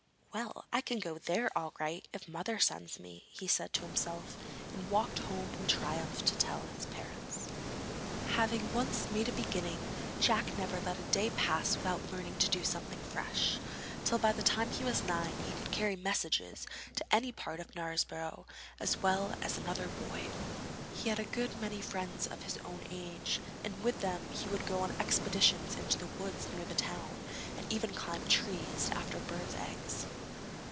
'Well, I can go there all right, if mother sends me,' he said to himself, and walked home in triumph to tell his parents. Having once made a beginning, Jack never let a day pass without learning to do something fresh, till by the time he was nine he could carry messages to any part of Knaresborough as well as another boy. He had a good many friends of his own age, and with them he would go on expeditions into the woods near the town, and even climb trees after birds' eggs.